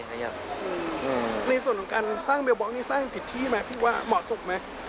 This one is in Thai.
ในส่วนของการสร้างเบลบล็อกนี่สร้างผิดที่ไหมผู้ว่าเหมาะสมไหม